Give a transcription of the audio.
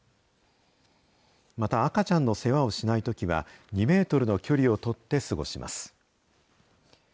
また、赤ちゃんの世話をしないときは、２メートルの距離を取って過ごします。